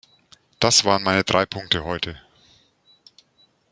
Das waren meine drei Punkte heute.